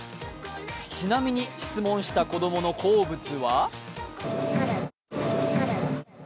ちなみに、質問した子供の好物は？